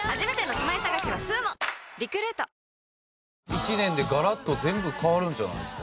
１年でガラッと全部変わるんじゃないですか？